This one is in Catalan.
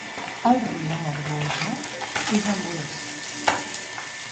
El riu Amargosa és a l'oest.